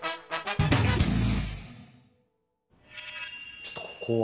ちょっとここは？